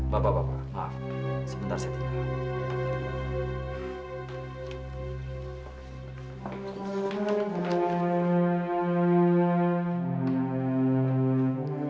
bapak bapak maaf sebentar saya tinggal